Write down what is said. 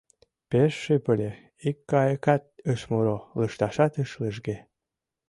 Пеш шып ыле, ик кайыкат ыш муро, лышташат ыш лыжге.